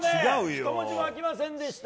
１文字も開きませんでした。